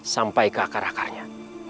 sampai ke akar akarnya